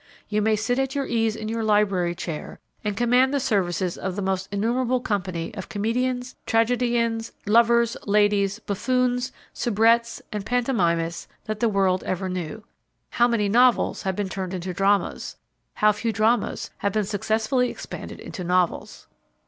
You may sit at your ease in your library chair and command the services of the most innumerable company of comedians, tragedians, lovers, ladies, buffoons, soubrettes and pantomimists that the world ever knew. How many novels have been turned into dramas, how few dramas have been successfully expanded into novels!